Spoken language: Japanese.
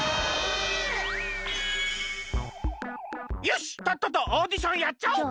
よしとっととオーディションやっちゃおう！